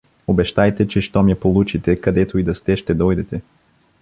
Обещайте, че щом я получите, където и да сте, ще дойдете.